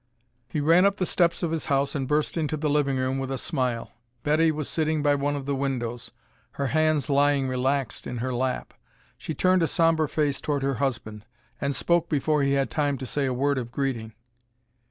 He ran up the steps of his house and burst into the living room with a smile. Betty was sitting by one of the windows, her hands lying relaxed in her lap. She turned a somber face toward her husband, and spoke before he had time to say a word of greeting.